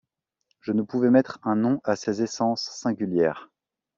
Je ne pouvais mettre un nom à ces essences singulières.